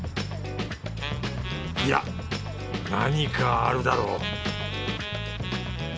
いや！何かあるだろう